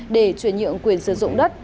để chuyển nhượng quyền sử dụng đất